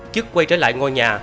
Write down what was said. chức quay trở lại ngôi nhà